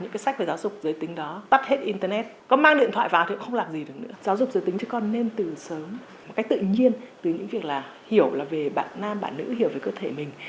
giáo dục giới tính cho con nên từ sớm một cách tự nhiên từ những việc là hiểu là về bạn nam bạn nữ hiểu về cơ thể mình